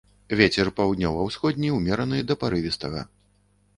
Вецер паўднёва-ўсходні ўмераны да парывістага.